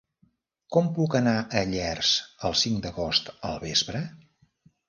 Com puc anar a Llers el cinc d'agost al vespre?